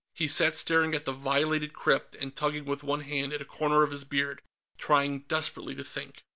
He sat staring at the violated crypt and tugging with one hand at a corner of his beard, trying desperately to think.